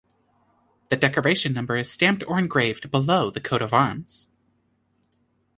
The decoration number is stamped or engraved below the Coat of Arms.